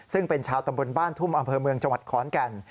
ซึ่งเป็นชาวตำบลบ้านทุ่มอำเภอเมืองจังหวัดขอนแก่น